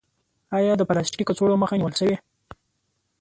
آیا د پلاستیکي کڅوړو مخه نیول شوې؟